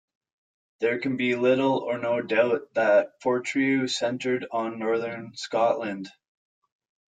There can be little or no doubt then that Fortriu centred on northern Scotland.